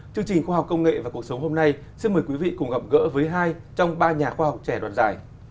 chương trình khoa học công nghệ và cuộc sống hôm nay xin mời quý vị cùng gặp gỡ với hai trong ba nhà khoa học trẻ đoạt giải